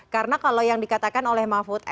karena kalau yang dikatakan oleh mafud